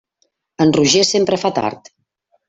En Roger sempre fa tard.